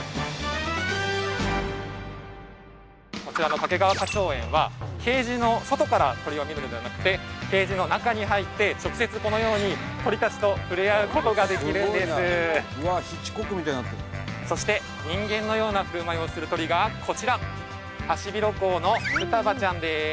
こちらの掛川花鳥園はケージの外から鳥を見るのではなくてケージの中に入って直接このように鳥たちとふれあうことができるんですそして人間のような振る舞いをする鳥がこちら「まったく動かない」で有名なハシビロコウですが